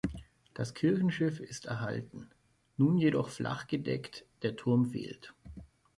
Das Kirchenschiff ist erhalten, nun jedoch flachgedeckt, der Turm fehlt.